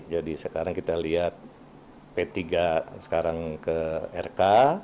sekarang kita lihat p tiga sekarang ke rk